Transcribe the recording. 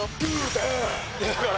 だから。